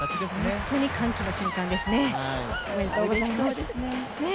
本当に歓喜の瞬間ですね、おめでとうございます。